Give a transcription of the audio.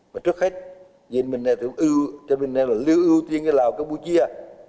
và trước hết nhìn mình này là lưu ưu tiên như lào campuchia